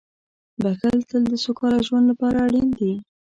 • بښل تل د سوکاله ژوند لپاره اړین دي.